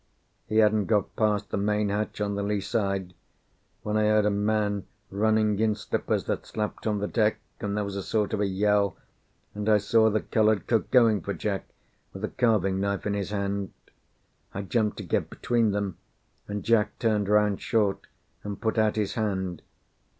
He hadn't got past the main hatch on the lee side, when I heard a man running in slippers that slapped on the deck, and there was a sort of a yell and I saw the coloured cook going for Jack, with a carving knife in his hand. I jumped to get between them, and Jack turned round short, and put out his hand.